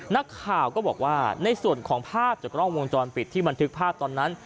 นักข่าวก็บอกว่าในส่วนของภาพจากกล้องวงจรปิดที่บันทึกภาพตอนนั้น